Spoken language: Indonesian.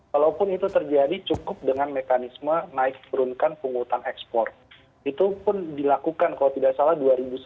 walaupun itu terjadi cukup dengan mekanisme naik kurunkan penghutang ekspor itu pun dilakukan kalau tidak salah dua ribu sebelas